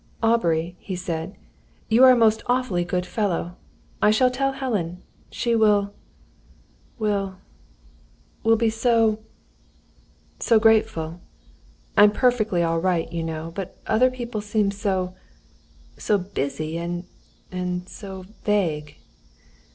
"Aubrey," he said, "you are a most awfully good fellow. I shall tell Helen. She will will will be so so grateful. I'm perfectly all right, you know; but other people seem so so busy, and and so vague.